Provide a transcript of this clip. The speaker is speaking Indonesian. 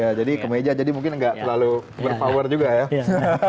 ya jadi kemeja jadi mungkin nggak terlalu berpower juga ya